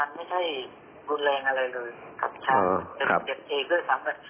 อย่านะอย่าไปดึงแขกนะ